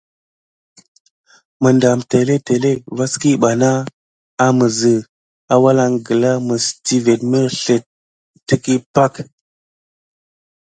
Məɗam télétélé vaskiɓana aməzə awalaŋ gla mes tivét mərslét təkəhi pak.